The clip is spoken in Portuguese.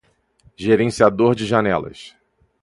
gerenciador de janelas